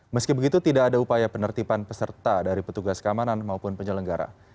meski begitu tidak ada upaya penertiban peserta dari petugas keamanan maupun penyelenggara